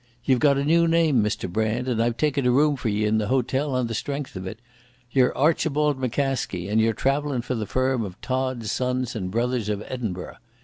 Ye've got a new name, Mr Brand, and I've taken a room for ye in the hotel on the strength of it. Ye're Archibald McCaskie, and ye're travellin' for the firm o' Todd, Sons & Brothers, of Edinburgh.